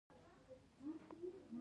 د باد لپاره د بادیان او نبات چای وڅښئ